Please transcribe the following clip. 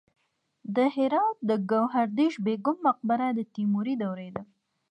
د هرات د ګوهردش بیګم مقبره د تیموري دورې ده